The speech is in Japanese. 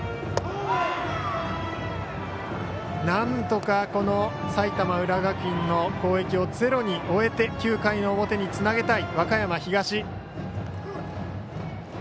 なんとかこの埼玉、浦和学院の攻撃をゼロに終えて９回の表につなげたい和歌山東。